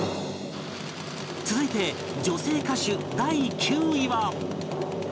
続いて女性歌手第９位は